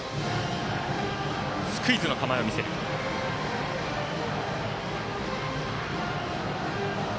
スクイズの構えを見せた。